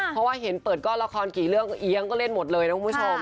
เพราะว่าเห็นเปิดก็ละครกี่เรื่องเอี๊ยงก็เล่นหมดเลยนะคุณผู้ชม